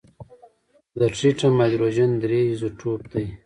د ټریټیم هایدروجن درې ایزوټوپ دی.